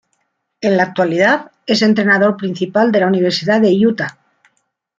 En la actualidad es entrenador principal de la Universidad de Utah.